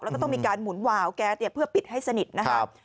แล้วก็ต้องมีการหมุนวาวแก๊สเพื่อปิดให้สนิทนะครับ